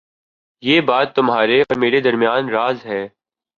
یہ بات تمہارے اور میرے درمیان راز ہے